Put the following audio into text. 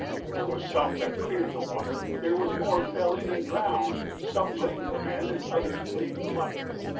There was some that cleared the water there was more fell in and drowned, Some blamed the men and others blamed the luck!